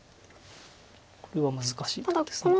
これは難しいとこです。